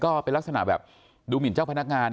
ก็เป็นลักษณะแบบดูหมินเจ้าพนักงาน